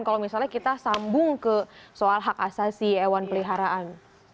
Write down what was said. kalau misalnya kita sambung ke soal hak asasi hewan peliharaan